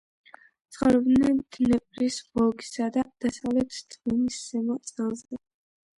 ცხოვრობდნენ დნეპრის, ვოლგისა და დასავლეთ დვინის ზემო წელზე.